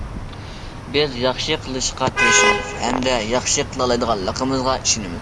بىز ياخشى قىلىشقا تىرىشىمىز ھەمدە ياخشى قىلالايدىغانلىقىمىزغا ئىشىنىمىز.